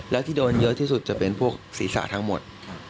แล้วที่โดนเยอะที่สุดจะเป็นพวกศีรษะทั้งหมด